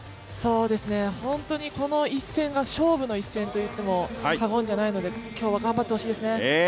ホントにこの一戦が勝負の一戦ともいっても過言ではないので今日は頑張ってほしいですね。